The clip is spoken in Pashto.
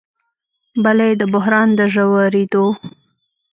بله یې د بحران د ژورېدو